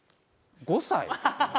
５歳？